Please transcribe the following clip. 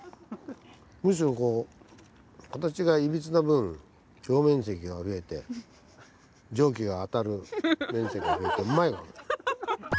むしろ形がいびつな分表面積が増えて蒸気が当たる面積が増えてうまいわ。